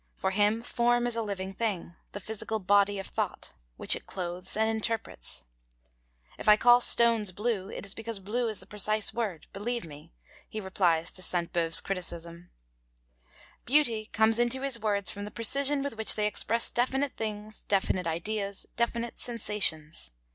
For him form is a living thing, the physical body of thought, which it clothes and interprets. 'If I call stones blue, it is because blue is the precise word, believe me,' he replies to Sainte Beuve's criticism. Beauty comes into his words from the precision with which they express definite things, definite ideas, definite sensations.